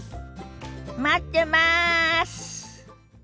待ってます！